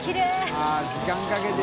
あぁ時間かけて。